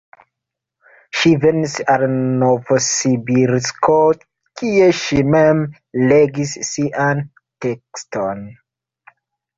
Ŝi venis al Novosibirsko, kie ŝi mem legis sian tekston.